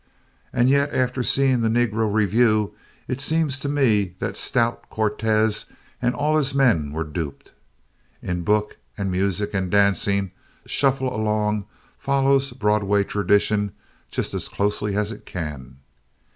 And yet after seeing the negro revue it seems to me that stout Cortes and all his men were duped. In book and music and dancing Shuffle Along follows Broadway tradition just as closely as it can.